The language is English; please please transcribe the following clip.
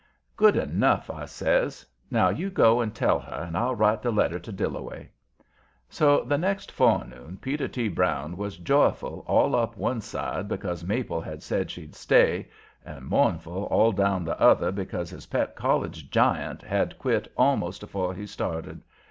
"Good enough!" I says. "Now you go and tell her, and I'll write the letter to Dillaway." So the next forenoon Peter T. Brown was joyful all up one side because Mabel had said she'd stay, and mournful all down the other because his pet college giant had quit almost afore he started.